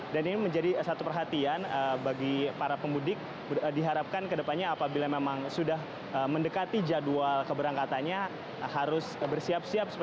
dan ini menjadi satu perhatian bagi para pemudik diharapkan ke depannya apabila memang sudah mendekati jadwal keberangkatannya harus bersiap siap